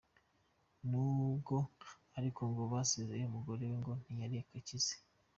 Nubwo ariko ngo basezereye umugore we, ngo ntiyari akize.